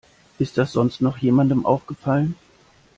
Ist das sonst noch jemandem aufgefallen?